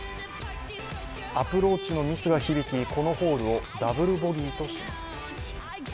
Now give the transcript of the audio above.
アプローチのミスが響き、このホールをダブルボギーとします。